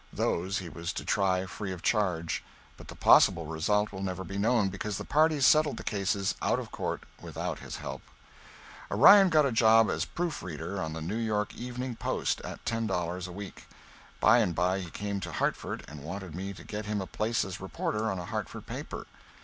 Those he was to try free of charge but the possible result will never be known, because the parties settled the cases out of court without his help. Orion got a job as proof reader on the New York "Evening Post" at ten dollars a week. By and by he came to Hartford and wanted me to get him a place as reporter on a Hartford paper.